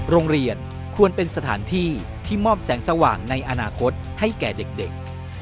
โรงเรียนควรเป็นสถานที่ที่มอบแสงสว่างในอนาคตให้แก่เด็ก